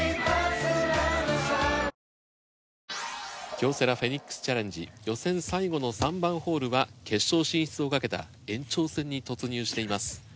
「京セラＰＨＯＥＮＩＸＣＨＡＬＬＥＮＧＥ」予選最後の３番ホールは決勝進出をかけた延長戦に突入しています。